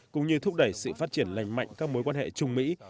cũng như thúc đẩy sự phát triển lành mạnh các mối quan hệ chung mỹ